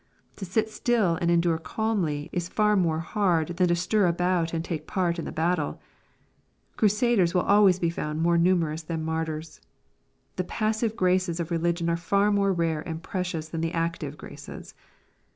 To sit still and endure calmly, is far more hard than to stir about and take part in the battle. Crusaders will ajjvays be found more numerous than Martyrs. The passive graces of religion are far more rare and precious than the active graces.